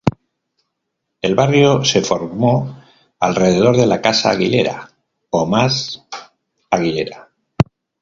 El barrio se formó alrededor de la "casa Aguilera" o "mas Aguilera".